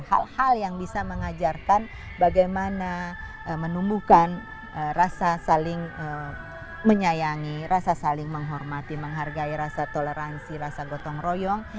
hal hal yang bisa mengajarkan bagaimana menumbuhkan rasa saling menyayangi rasa saling menghormati menghargai rasa toleransi rasa gotong royong